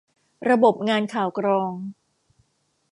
ระบบงานข่าวกรอง